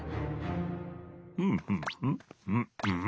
ふんふんん？